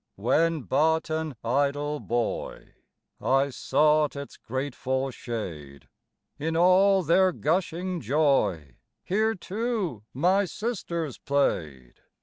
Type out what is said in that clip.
When but an idle boy, I sought its grateful shade; In all their gushing joy Here, too, my sisters played.